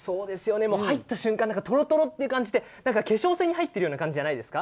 入った瞬間とろとろって感じで化粧水に入ってるような感じじゃないですか？